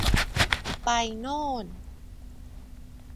ไปโน่น